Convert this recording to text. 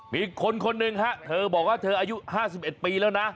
มีคนคนหนึ่งฮะเธอบอกว่าเธออายุ๕๑ปีแล้วนะ